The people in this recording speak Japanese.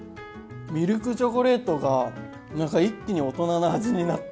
ミルクチョコレートが何か一気に大人な味になった。